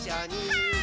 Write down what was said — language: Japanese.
はい。